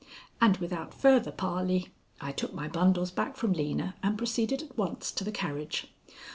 And without further parley, I took my bundles back from Lena, and proceeded at once to the carriage.